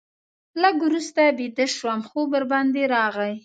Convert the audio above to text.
لږ وروسته بیده شوم، خوب ورباندې راغی.